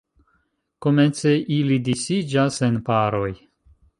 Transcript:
Komence ili disiĝas en paroj.